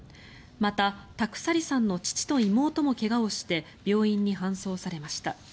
また、田鎖さんの父と妹も怪我をして病院に搬送されました。